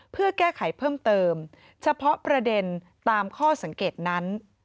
เพื่อแก้ไขเพิ่มเติมเฉพาะประเด็นตามข้อสังเกตนั้น